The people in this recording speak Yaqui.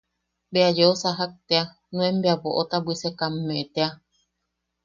Bea yeu sajak tea, nuen bea boʼota bwisekamme tea.